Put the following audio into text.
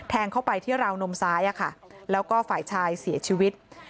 เข้าไปที่ราวนมซ้ายแล้วก็ฝ่ายชายเสียชีวิต